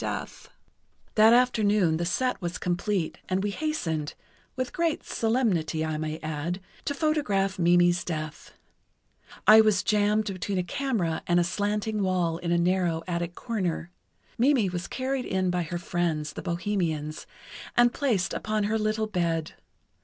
[Illustration: "LA BOHÊME" Mimi at the pawnshop] That afternoon the set was complete and we hastened—with great solemnity, I may add—to photograph Mimi's death. I was jammed between a camera and a slanting wall in a narrow attic corner. Mimi was carried in by her friends, the bohemians, and placed upon her little bed.